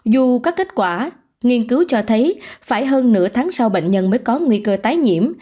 dù có kết quả nghiên cứu cho thấy phải hơn nửa tháng sau bệnh nhân mới có nguy cơ tái nhiễm